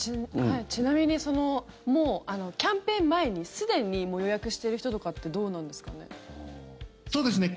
ちなみにキャンペーン前にすでに予約してる人とかってどうなんですかね？